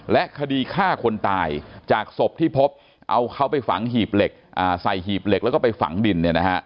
และคดีฆ่าคนตายจากศพที่พบเอาเขาไปฝังหีบเหล็กใส่หีบเหล็กแล้วก็ไปฝังดิน